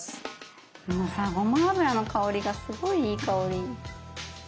もうさごま油の香りがすごいいい香り！